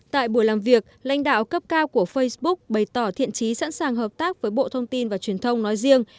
tại buổi làm việc lãnh đạo cấp cao của facebook bày tỏ thiện trí sẵn sàng hợp tác với bộ thông tin và truyền thông nói riêng